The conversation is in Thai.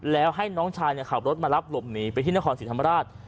แล้วให้น้องชายขับรถมารับหลบหนีไปที่นครศรีธรรมราช